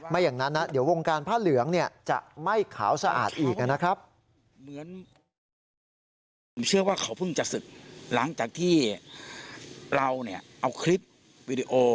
อย่างนั้นนะเดี๋ยววงการผ้าเหลืองจะไม่ขาวสะอาดอีกนะครับ